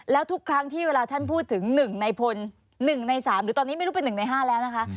แล้วทุกครั้งที่เวลาท่านพูดถึง๑ในพล๑ใน๓หรือตอนนี้ไม่รู้เป็น๑ใน๕แล้วนะคะ